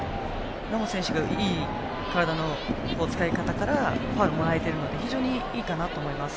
猶本選手も、いい体の使い方からファウルをもらえているので非常にいいかなと思います。